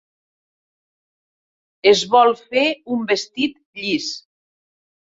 Es vol fer un vestit llis.